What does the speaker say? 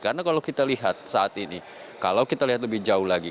karena kalau kita lihat saat ini kalau kita lihat lebih jauh lagi